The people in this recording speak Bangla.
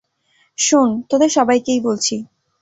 শোন, তোদের সবাইকেই বলছি।